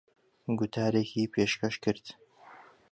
گوتارێکی پێشکەش کرد.